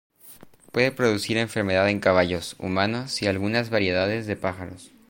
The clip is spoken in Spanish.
Puede producir enfermedad en caballos, humanos y algunas variedades de pájaros.